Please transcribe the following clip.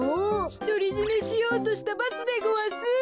ひとりじめしようとしたばつでごわす。